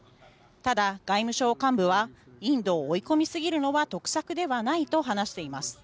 ただ、外務省幹部はインドを追い込みすぎるのは得策ではないと話しています。